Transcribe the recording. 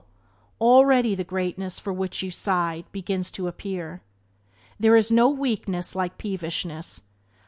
already the greatness for which you sighed begins to appear. There is no weakness like peevishness.